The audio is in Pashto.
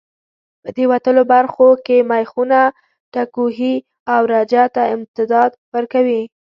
په دې وتلو برخو کې مېخونه ټکوهي او رجه ته امتداد ورکوي.